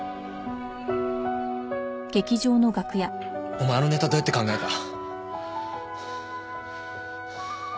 お前あのネタどうやって考えた？